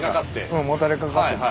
うんもたれかかって。